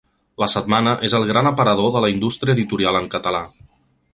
La Setmana és el gran aparador de la indústria editorial en català.